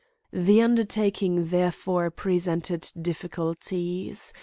The undertaking, therefore, presented difficulties.